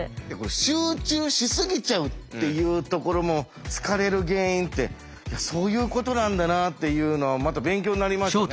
集中しすぎちゃうっていうところも疲れる原因っていやそういうことなんだなっていうのはまた勉強になりましたね。